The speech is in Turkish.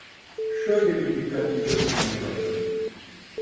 Şöyle bir dikkatlice okumaya başladım.